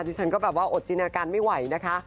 ดิฉันก็บาปว่าอดจินอันกันไม่ไหวนะคะ